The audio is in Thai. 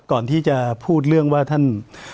ก่อนที่จะพูดเรื่องว่าท่าน